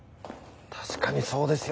確かにそうですよね。